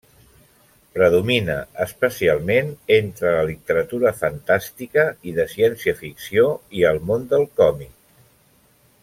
Predomina especialment entre la literatura fantàstica i de ciència-ficció i al món del còmic.